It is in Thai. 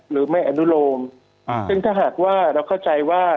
หรือไม่อนุโลมซึ่งถ้าหากว่าเราเข้าใจว่า